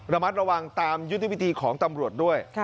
ระมัดระวังตามยุทธวิธีของตำรวจด้วย